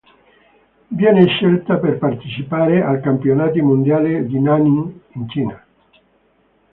Viene scelta per partecipare ai Campionati Mondiali di Nanning, in Cina.